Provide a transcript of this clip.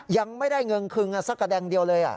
ยังไม่ได้เงินคึงสักกระแดงเดียวเลย